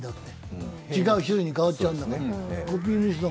違う種類に変わっちゃうんだから。